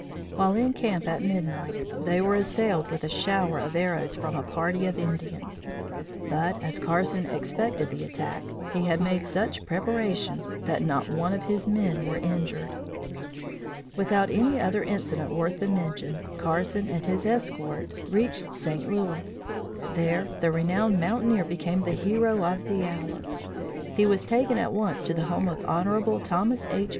While in camp at midnight, they were assailed with a shower of arrows from a party of Indians; but, as Carson expected the attack, he had made such preparations that not one of his men were injured. Without any other incident worth the mention, Carson and his escort reached St. Louis. There the renowned mountaineer became the hero of the hour. He was taken at once to the home of Hon. Thomas H.